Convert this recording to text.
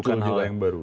bukan hal yang baru